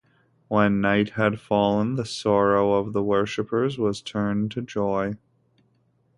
When night had fallen, the sorrow of the worshipers was turned to joy.